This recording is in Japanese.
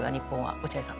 落合さん。